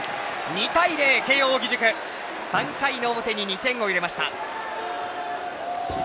２対０、慶応義塾３回の表に２点を入れました。